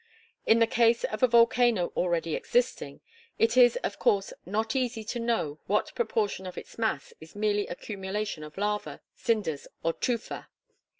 In the case of a volcano already existing, it is of course not easy to know what proportion of its mass is merely accumulation of lava, cinders, or tufa.